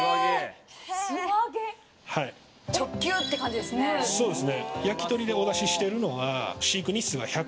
直球って感じですね。